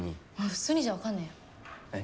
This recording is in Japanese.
普通にじゃ分かんねえよ。え？